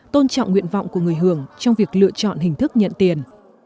tôn trọng nguyện vọng của người hưởng trong việc lựa chọn hình thức nhận tiền